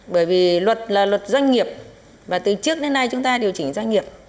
bởi vì luật là luật doanh nghiệp và từ trước đến nay chúng ta điều chỉnh doanh nghiệp